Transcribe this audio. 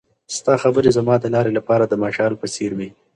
ستا خبرې زما د لارې لپاره د مشال په څېر وې.